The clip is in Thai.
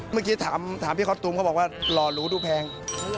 เมื่อกี้ถามพี่คอสตูมเขาบอกว่าหล่อหรูดูแพง